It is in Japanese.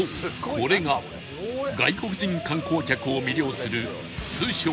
これが外国人観光客を魅了する